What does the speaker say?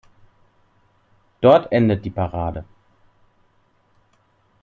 Dort endet die Parade.